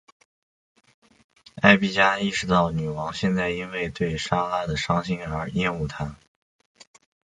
艾碧嘉意识到女王现在因为对莎拉的伤心而厌恶她。